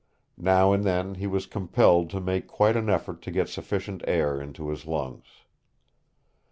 Now and then he was compelled to make quite an effort to get sufficient air into his lungs.